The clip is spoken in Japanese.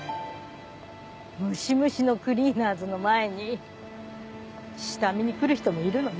ムシムシのクリーナーズの前に下見に来る人もいるのね。